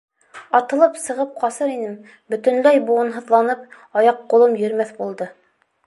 Атылып сығып ҡасыр инем, бөтөнләй быуынһыҙланып, аяҡ-ҡулым йөрөмәҫ булды.